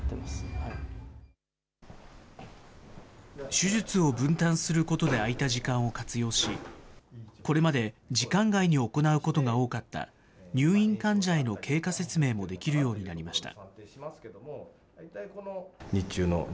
手術を分担することで空いた時間を活用し、これまで時間外に行うことが多かった、入院患者への経過説明もできるようになりました。